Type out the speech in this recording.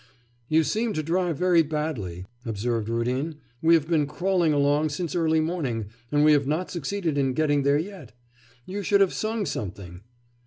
'You seem to drive very badly,' observed Rudin; 'we have been crawling along since early morning, and we have not succeeded in getting there yet. You should have sung something.